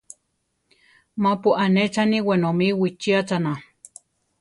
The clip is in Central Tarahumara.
Mapu anéchani wenomí wichíachana.